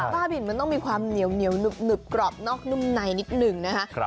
บ้าบินมันต้องมีความเหนียวหนึบกรอบนอกนุ่มในนิดหนึ่งนะคะ